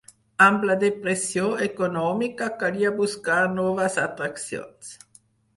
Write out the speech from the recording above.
Amb la depressió econòmica calia buscar noves atraccions.